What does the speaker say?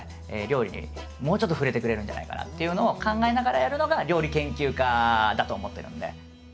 料理にもうちょっと触れてくれるんじゃないかなというのを考えながらやるのが料理研究家だと思ってるんで。